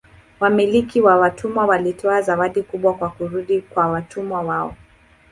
Wamiliki wa watumwa walitoa zawadi kubwa kwa kurudi kwa watumwa wao.